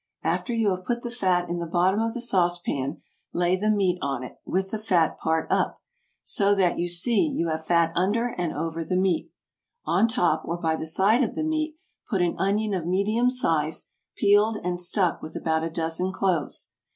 After you have put the fat in the bottom of the sauce pan, lay the meat on it, with the fat part up, so that, you see, you have fat under and over the meat. On top or by the side of the meat put an onion of medium size, peeled and stuck with about a dozen cloves.